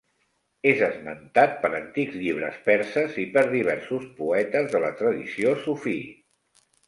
És esmentat per antics llibres perses i per diversos poetes de la tradició sufí.